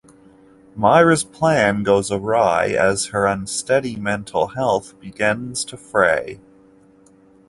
Myra's plan goes awry as her unsteady mental health begins to fray.